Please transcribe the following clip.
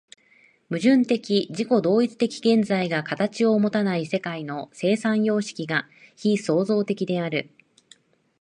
矛盾的自己同一的現在が形をもたない世界の生産様式が非創造的である。